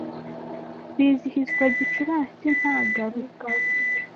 bizihizwa gicurasi nta garuka